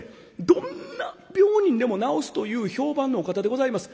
どんな病人でも治すという評判のお方でございます。